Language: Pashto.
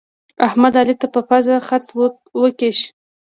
احمد، علي ته په پزه خط وکيښ.